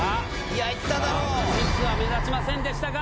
あんまりミスは目立ちませんでしたが。